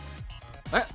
えっ？